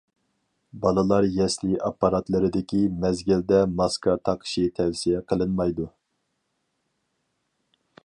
بالىلار يەسلى ئاپپاراتلىرىدىكى مەزگىلىدە ماسكا تاقىشى تەۋسىيە قىلىنمايدۇ.